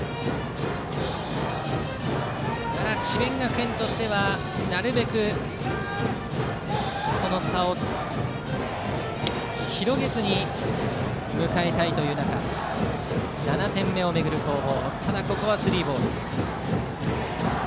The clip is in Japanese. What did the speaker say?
ただ智弁学園としてはなるべくその差を広げずに迎えたいという中７点目をめぐる攻防。